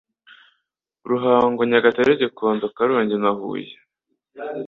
Ruhango Nyagatare Gikondo Karongi na Huye